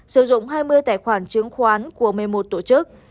sử dụng hai mươi tài khoản chứng khoán của một mươi một tổ chức